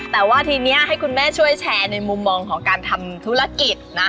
แต่ว่าทีนี้ให้คุณแม่ช่วยแชร์ในมุมมองของการทำธุรกิจนะ